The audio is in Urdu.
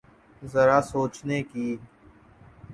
ذرا سوچنے کی۔